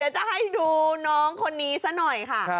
จะให้ดูน้องคนนี้ซะหน่อยค่ะ